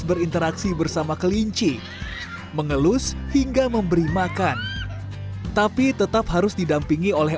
berinteraksi bersama kelinci mengelus hingga memberi makan tapi tetap harus didampingi oleh